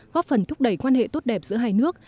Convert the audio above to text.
góp phần thúc đẩy quan hệ tốt đẹp giữa hai nước